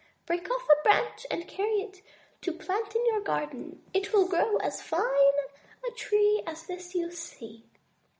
Break off a branch and carry it to plant in your garden. It will grow as fine a tree as this you see."